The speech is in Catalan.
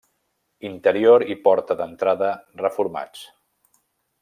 Interior i porta d'entrada reformats.